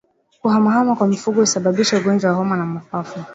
Kuhamahama kwa mifugo husababisha ugonjwa wa homa ya mapafu